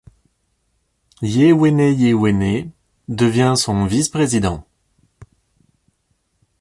Yeiwéné Yeiwéné devient son vice-président.